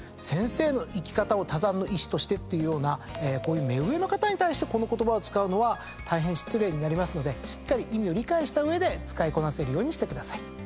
「先生の生き方を他山の石として」っていうようなこういう目上の方に対してこの言葉を使うのは大変失礼になりますのでしっかり意味を理解した上で使いこなせるようにしてください。